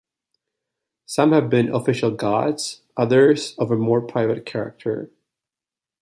Some have been official Gods others of a more private character.